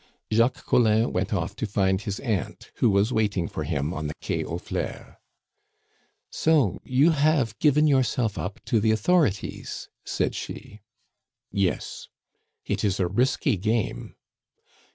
Jacques Collin went off to find his aunt, who was waiting for him on the Quai aux Fleurs. "So you have given yourself up to the authorities?" said she. "Yes." "It is a risky game."